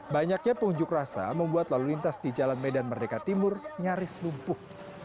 banyaknya pengunjuk rasa membuat lalu lintas di jalan medan merdeka timur nyaris lumpuh